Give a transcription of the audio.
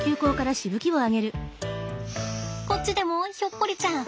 こっちでもひょっこりちゃん。